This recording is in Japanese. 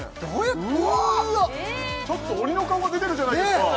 うわちょっと鬼の顔が出てるじゃないですか